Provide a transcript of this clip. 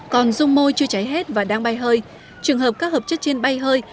còn dung môi chưa cháy hết và đang bay hơi trường hợp các hợp chất trên bay hơi